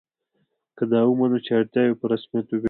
که دا ومنو چې اړتیاوې په رسمیت وپېژنو.